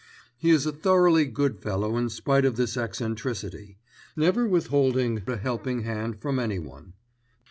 He is a thoroughly good fellow in spite of this eccentricity, never withholding a helping hand from anyone.